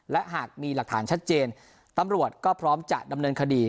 และหากมีหลักฐานชัดเจนตำรวจก็พร้อมจะดำเนินคดี